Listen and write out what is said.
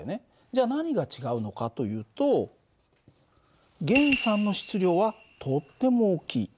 じゃ何が違うのかというと源さんの質量はとっても大きい。